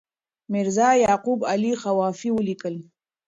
میرزا یعقوب علي خوافي ولیکل.